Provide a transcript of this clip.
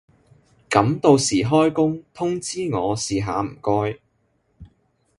噉到時開工通知我試下唔該